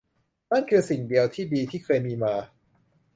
นั่นคือสิ่งเดียวที่ดีที่เคยมีมา